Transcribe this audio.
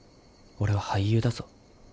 俺は俳優だぞ。